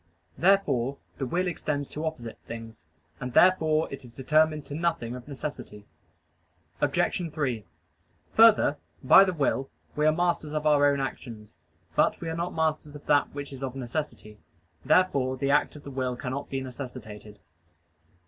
Therefore the will extends to opposite things, and therefore it is determined to nothing of necessity. Obj. 3: Further, by the will we are masters of our own actions. But we are not masters of that which is of necessity. Therefore the act of the will cannot be necessitated.